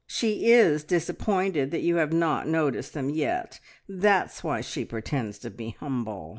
She is disappointed that you have not noticed them yet, that's why she pretends to be humble!"